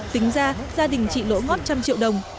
tính ra gia đình chị lỗ ngót một trăm linh triệu đồng